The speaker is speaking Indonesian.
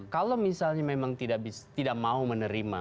kalau misalnya memang tidak mau menerima